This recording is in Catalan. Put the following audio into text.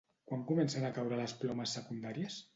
Quan comencen a caure les plomes secundàries?